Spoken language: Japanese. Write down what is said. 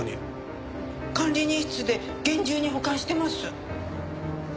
管理人室で厳重に保管してます。